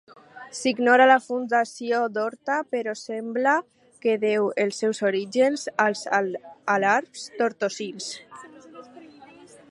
S'ignora la fundació d'Horta, però sembla que deu els seus orígens als alarbs tortosins.